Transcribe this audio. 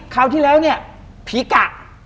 คราวที่แล้วเนี่ยผีกะ